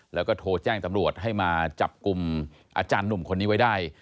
แล้วก็โทรแจ้งตำรวจให้มาจับกลุ่มอาจารย์หนุ่มคนนี้ไว้ได้